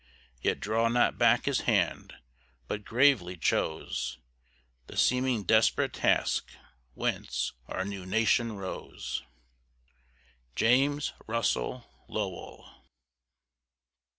Yet drew not back his hand, but gravely chose The seeming desperate task whence our new nation rose. JAMES RUSSELL LOWELL.